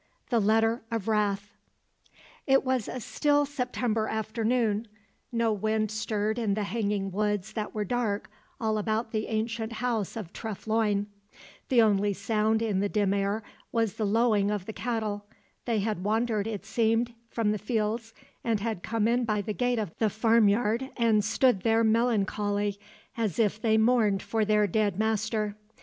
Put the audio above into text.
The Letter of Wrath It was a still September afternoon. No wind stirred in the hanging woods that were dark all about the ancient house of Treff Loyne; the only sound in the dim air was the lowing of the cattle; they had wandered, it seemed, from the fields and had come in by the gate of the farmyard and stood there melancholy, as if they mourned for their dead master.